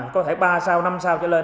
có thể ba sao năm sao cho lên